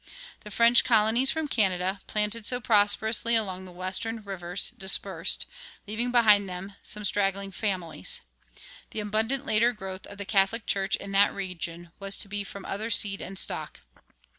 [23:3] The French colonies from Canada, planted so prosperously along the Western rivers, dispersed, leaving behind them some straggling families. The abundant later growth of the Catholic Church in that region was to be from other seed and stock.